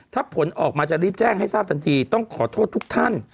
ถ้าผลออกมาจะรีบแจ้งให้ทราบทันทีต้องขอโทษทุกท่าน